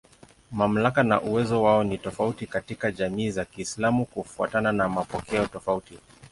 Mamlaka na uwezo wao ni tofauti katika jamii za Kiislamu kufuatana na mapokeo tofauti.